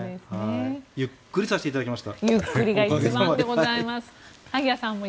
ゆっくりさせていただきました。